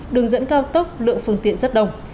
đường dẫn cao tốc lượng phương tiện rất đông